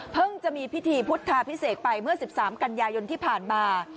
เพิ่งจะมีพิธีพุทธาพิเศษไปเมื่อสิบสามกันยายนที่ผ่านมา